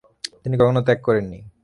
তিনি কখনই ত্যাগ করেননি।